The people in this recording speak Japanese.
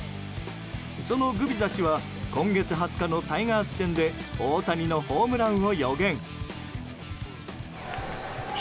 そのグビザ氏は今月２０日のタイガース戦で大谷のホームランを予言。